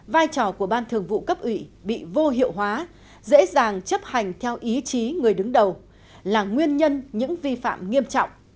vai trò của ban thường vụ cấp ủy bị vô hiệu hóa dễ dàng chấp hành theo ý chí người đứng đầu là nguyên nhân những vi phạm nghiêm trọng